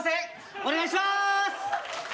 お願いしまーす